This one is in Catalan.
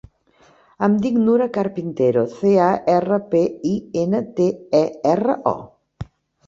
Em dic Nura Carpintero: ce, a, erra, pe, i, ena, te, e, erra, o.